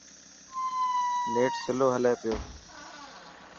نيٽ سلو هلي پيو.